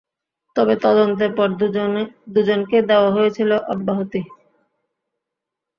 তবে তদন্তের পর দুজনকেই দেওয়া হয়েছিল অব্যাহতি।